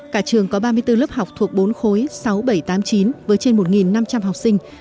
cả trường có ba mươi bốn lớp học thuộc bốn khối sáu bảy trăm tám mươi chín với trên một năm trăm linh học sinh